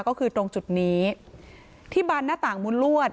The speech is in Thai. ก็คือตรงจุดนี้ที่บันหน้าต่างมุนลวด